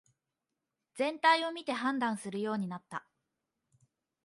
全体を見て判断するようになった